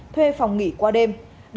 thuê phòng nghỉ qua đêm